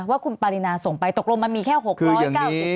ว่าคุณปารินาส่งไปตกลงมันมีแค่๖๙๐บาทหรือ๑๗๐๐บาทแน่